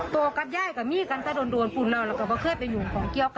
โตกับย่ายกับมี่กันกันแต่อดนฝูนราวและก็มาเคยไปหยุ่นของเกียวกันอีก